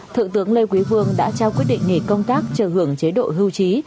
thượng tướng lê quý vương đã trao quyết định nghỉ công tác chờ hưởng chế độ hưu trí